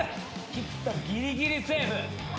菊田ギリギリセーフ。